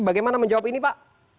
bagaimana menjawab ini pak